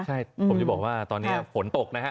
ใช่ผมจะบอกว่าตอนนี้ฝนตกนะฮะ